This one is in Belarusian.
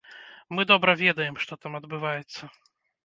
Мы добра ведаем, што там адбываецца.